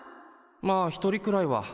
まあ一人くらいは。